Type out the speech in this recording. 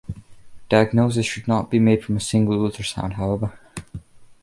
Diagnosis should not be made from a single ultrasound, however.